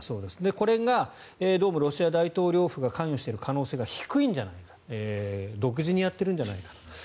これがどうもロシア大統領府が関与している可能性が低いんじゃないか独自にやってるんじゃないかと。